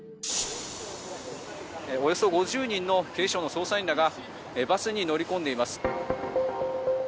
およそ５０人の警視庁の捜査員らがバスに乗り込んでいます。